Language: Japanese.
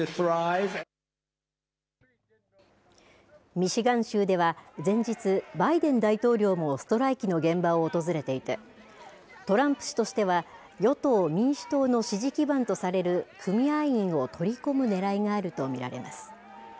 ミシガン州では前日、バイデン大統領もストライキの現場を訪れていてトランプ氏としては与党・民主党の支持基盤とされる組合員を取り込むねらいがあると見られます。